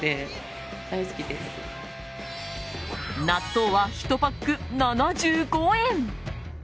納豆は１パック７５円。